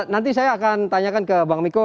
nanti saya akan tanyakan ke bang miko